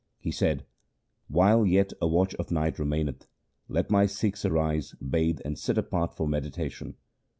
He said, 'While yet a watch of night remaineth, let my Sikhs arise, bathe, and sit apart for meditation.